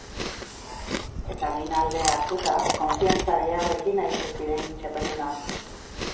Eta, behin aldea hartuta, konfiantza gehiagorekin aritu ziren txapeldunak.